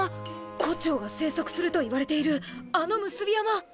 胡蝶が生息すると言われているあの産霊山！？